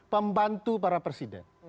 pembantu para presiden